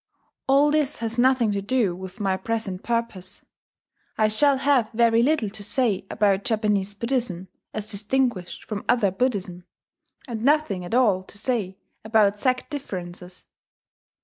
All this has nothing to do with my present purpose, I shall have very little to say about Japanese Buddhism as distinguished from other Buddhism, and nothing at all to say about sect differences.